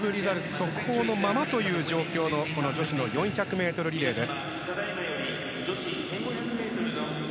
速報のままという女子４００ｍリレーです。